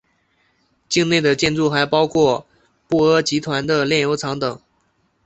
境内的建筑还包括布阿集团的炼油厂等。